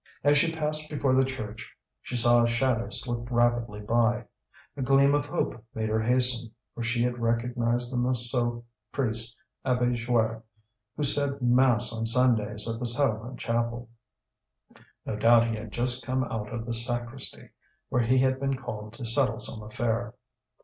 As she passed before the church she saw a shadow slip rapidly by. A gleam of hope made her hasten, for she had recognized the Montsou priest, Abbé Joire, who said mass on Sundays at the settlement chapel. No doubt he had just come out of the sacristy, where he had been called to settle some affair.